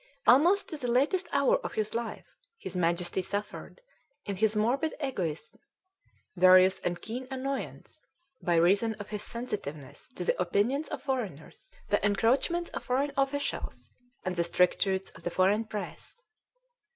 Almost to the latest hour of his life his Majesty suffered, in his morbid egotism, various and keen annoyance, by reason of his sensitiveness to the opinions of foreigners, the encroachments of foreign officials, and the strictures of the foreign press.